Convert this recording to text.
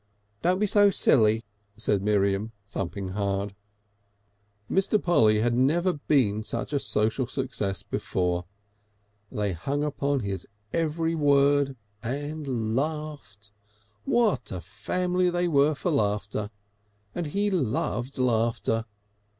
"Don't be so silly," said Miriam, thumping hard. Mr. Polly had never been such a social success before. They hung upon his every word and laughed. What a family they were for laughter! And he loved laughter.